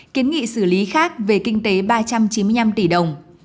kiến nghị xử lý khác về kinh tế ba trăm chín mươi năm tỷ đồng